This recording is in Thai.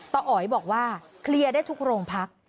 อ๋อยบอกว่าเคลียร์ได้ทุกโรงพัก